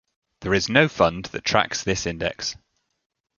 There is no fund that tracks this index.